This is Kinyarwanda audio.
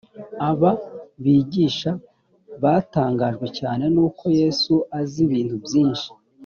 aba bigisha batangajwe cyane n uko yesu azi ibintu byinshi